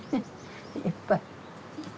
いっぱい。